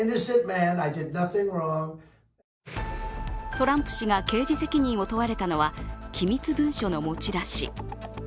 トランプ氏が刑事責任を問われたのは機密文書の持ち出し。